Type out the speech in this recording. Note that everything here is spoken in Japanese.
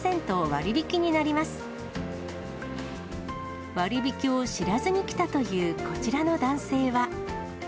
割引を知らずに来たというこちらの男性は。